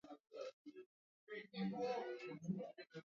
petroli yaliyopo chini ya ardhi yake Akiba zake ni kama za akiba